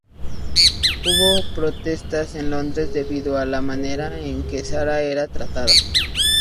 Hubo protestas en Londres debido a la manera en que Sara era tratada.